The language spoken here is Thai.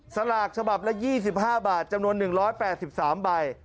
สลากฉบับละ๒๕บาทจำนวน๑๘๓ใบ